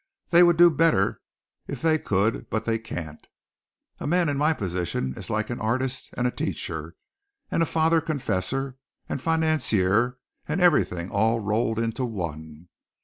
They would do better if they could, but they can't. A man in my position is like an artist and a teacher and a father confessor and financier and everything all rolled into one.